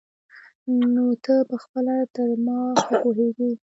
نو ته پخپله تر ما ښه پوهېږي.